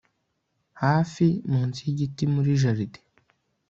hafi munsi yigiti muri jardin